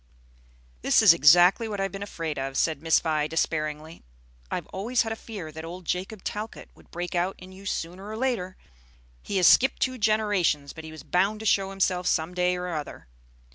"This is exactly what I have been afraid of," said Miss Vi, despairingly. "I've always had a fear that old Jacob Talcott would break out in you sooner or later. He has skipped two generations, but he was bound to show himself some day or other.